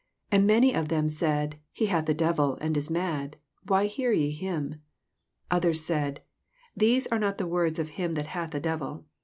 20 And many of them said, He hath a devil, and is mad; why hear ye him? 21 Others said, These are not the words of him that hath a devil.